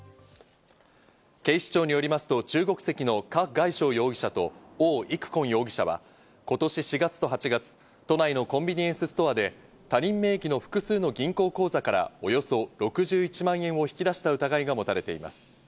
警視庁によりますと中国籍のカ・ガイショウ容疑者とオウ・イクコン容疑者は今年４月と８月、都内のコンビニエンスストアで、他人名義の複数の銀行口座からおよそ６１万円を引き出した疑いが持たれています。